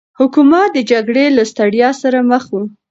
حکومت د جګړې له ستړيا سره مخ و.